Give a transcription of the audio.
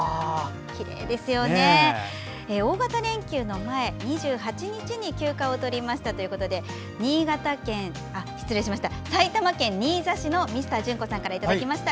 大型連休の前、２８日に休暇を取りましたということで埼玉県新座市のミスタージュンコさんからいただきました。